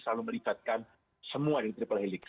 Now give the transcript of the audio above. terlalu melibatkan semua yang triple helix